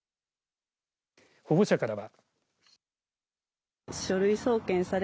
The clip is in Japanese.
保護者からは。